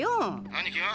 兄貴は？